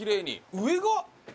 上が。